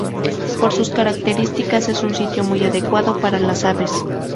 Por sus características, es un sitio muy adecuado para las aves.